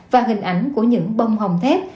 và hình ảnh của những bông hồng thép